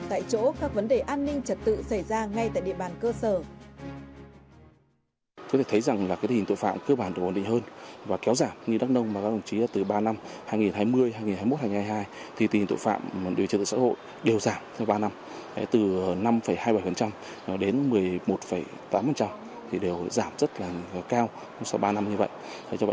tại chỗ các vấn đề an ninh trật tự xảy ra ngay tại địa bàn cơ sở